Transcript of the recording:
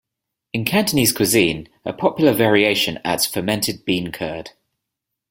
In Cantonese cuisine, a popular variation adds fermented bean curd.